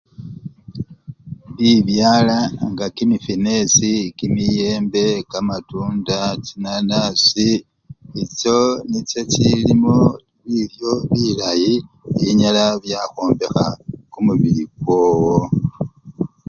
Bibyala nga kimifwenesi, kimiyembe, kamatunda, kamapapari nende chinanasi echo nicho chilimo, bilyo bilayi binyala byakhwombekha kumubili kwowo.